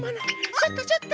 ちょっとちょっと。